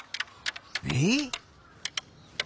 えっ？